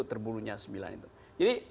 terbunuhnya sembilan itu jadi